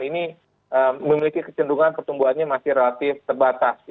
ini memiliki kecenderungan pertumbuhannya masih relatif terbatas